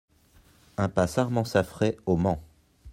Impasse Armand Saffray au Mans